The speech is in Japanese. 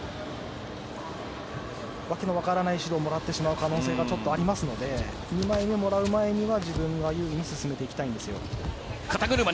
訳の分からない指導をもらってしまう可能性があるので２枚目もらう前には優位に進めていきたいです。